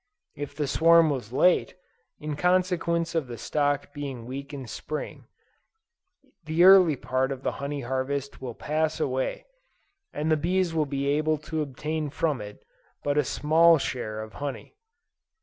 If the swarm was late, in consequence of the stock being weak in Spring, the early part of the honey harvest will pass away, and the bees will be able to obtain from it, but a small share of honey.